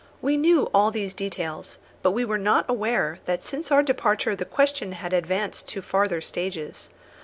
We knew all these details, but we were not aware that since our departure the question had advanced to farther stages.